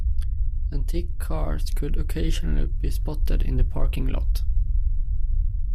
Antique cars could occasionally be spotted in the parking lot.